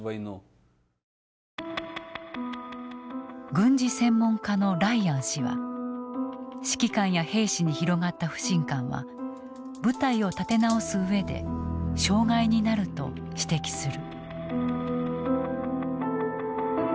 軍事専門家のライアン氏は指揮官や兵士に広がった不信感は部隊を立て直す上で障害になると指摘する。